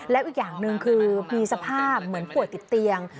แล้วอีกอย่างหนึ่งคือมีสภาพเหมือนป่วยติดเตียง